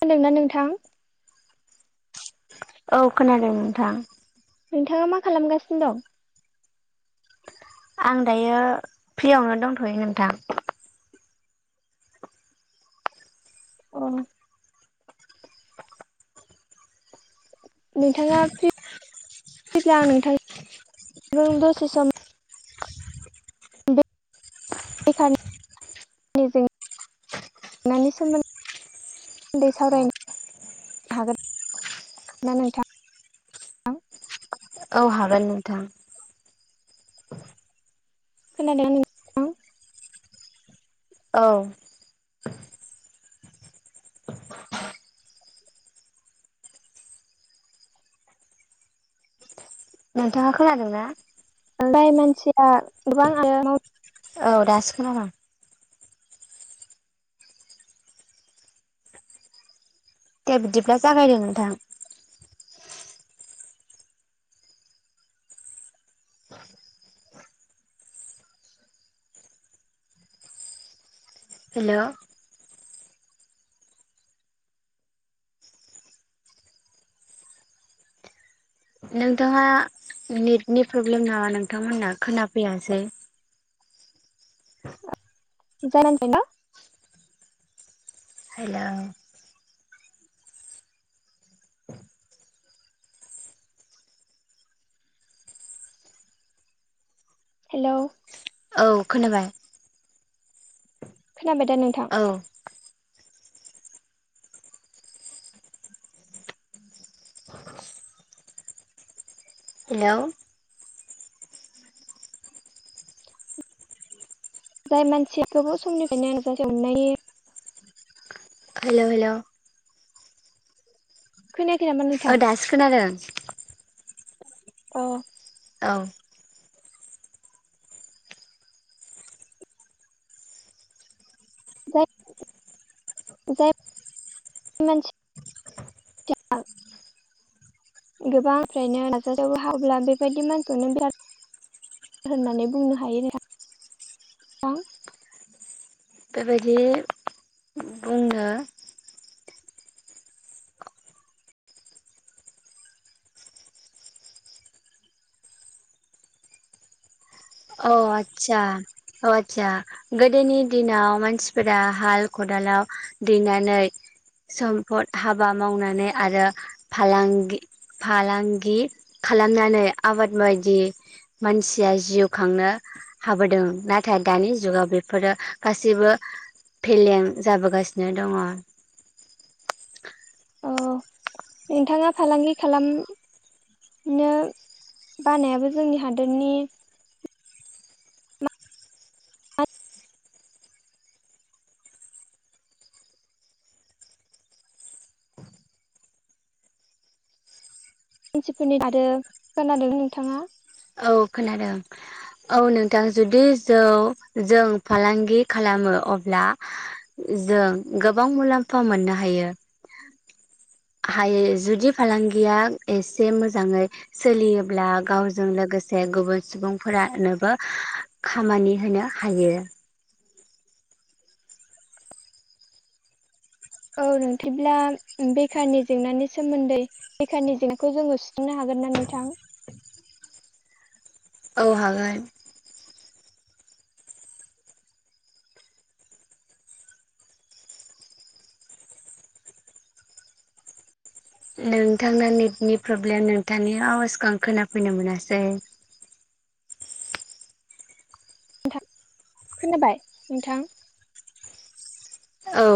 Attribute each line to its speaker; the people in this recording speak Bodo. Speaker 1: खोनादोंना नोंथां
Speaker 2: औ खोनादों नोंथां
Speaker 1: नोंथाङा मा खालामगासिनो दं
Speaker 2: आं दायो फ्रियावनो दंथयो नोंथां
Speaker 1: अ नोंथाङा फ्रि फ्रिब्ला नोंथांजों दसे सम [unintelligible] दै सावरायनो हागोन ना नोंथां [inaudible]
Speaker 2: औ हागोन नोंथां
Speaker 1: खोनादोंना नोंथां
Speaker 2: औ नोंथाङा खोनादों ना
Speaker 1: [unintelligible]
Speaker 2: औ दासो खोनादों दे बिदिब्ला जागायदो नोंथां हेलौ नोंथाङा नेटनि प्रब्लेम नमा नोंथांमोनना खोनाफैयासै
Speaker 1: [unintelligible]
Speaker 2: हेलौ
Speaker 1: हेलौ
Speaker 2: औ खोनाबाय
Speaker 1: खोनाबाय दा नोंथां
Speaker 2: औ हेलौ
Speaker 1: [inaudible]
Speaker 2: हेलौ हेलौ
Speaker 1: खोनाया
Speaker 2: ओ दासो खोनादों
Speaker 1: अ
Speaker 2: औ
Speaker 1: [inaudible] [unintelligible] [inaudible] होननानै बुंनो हायो नोंथां
Speaker 2: [inaudible] बेबायदि बुंनो अ आतसा अ आतसा गोदोनि दिनाव मानसिफोरा हाल खदालाव दैनानै सम्फद हाबा मावनानै आरो फालांगि फालांगि खालामनानै आबाद बायदि मानसिया जिउ खांनो हाबोदों नाथाय दानि जुगाव बेफोरो गासैबो फेलें जाबोगासिनो दङ
Speaker 1: अक्षनोंथांङा फालांगि खालाम नो बानायाबो जोंनि हादोरनि मानसिफोरनि आरो खोनादों नोंथाङा
Speaker 2: औ खोनादों औ नोंथां जुदि जौ जों फालांगि खालामो अब्ला जों गोबां मुलाम्फा मोननो हायो
Speaker 1: [inaudible]
Speaker 2: हायो जुदि फालांगिया एसे मोजांङै सोलियोब्ला गाव जों लोगोसे गुबुन सुबुंफोरा नोबो खामानि होनो हायो।
Speaker 1: औ [unintelligible] बेखारनि जेंनानि सोमोन्दै बेखारनि जेंनाखौ जोङो सुस्रनो हा गोन ना नोंथां?
Speaker 2: औ हागोन। नोंथांना नेटनि प्रब्लेम नोंथांनि आवाजखौ आं खोनाफैनो मोनासै।
Speaker 1: नोंथां खोनाबाय नोंथां?
Speaker 2: औ।